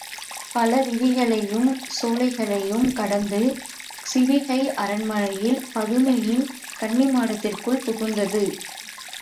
பல வீதிகளையும் சோலைகளையும் கடந்து, சிவிகை அரண்மனையில் பதுமையின் கன்னிமாடத்திற்குள் புகுந்தது.